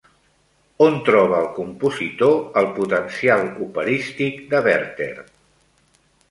On troba el compositor el potencial operístic de Werther?